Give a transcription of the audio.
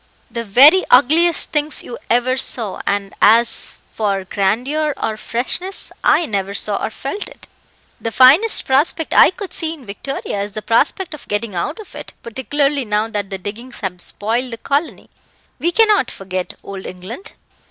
"The very ugliest things you ever saw and as for grandeur or freshness, I never saw or felt it. The finest prospect I could see in Victoria is the prospect of getting out of it, particularly now that the diggings have spoiled the colony. We cannot forget Old England."